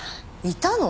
いたの？